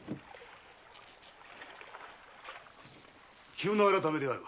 急の「改め」である。